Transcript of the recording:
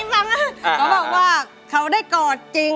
สวัสดีครับคุณหน่อย